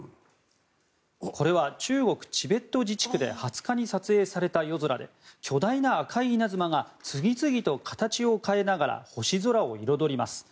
これは、中国チベット自治区で２０日に撮影された夜空で巨大な赤い稲妻が次々と形を変えながら星空を彩ります。